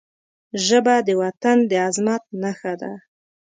ژبه د وطن د عظمت نښه ده